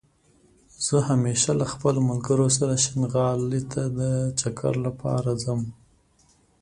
زه همېشه له خپلو ملګرو سره شينغالى ته دا چکر لپاره ځم